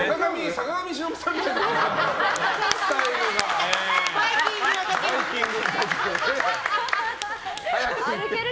坂上忍さんみたいになってる。